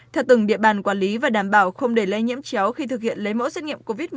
theo từng địa bàn quản lý và đảm bảo không để lây nhiễm chéo khi thực hiện lấy mẫu xét nghiệm covid một mươi chín